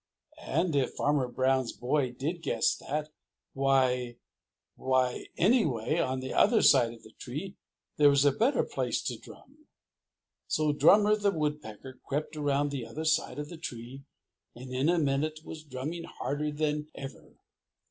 And if Farmer Brown's boy did guess that, why why anyway, on the other side of the tree there was a better place to drum. So Drummer the Woodpecker crept around to the other side of the tree and in a minute was drumming harder than ever.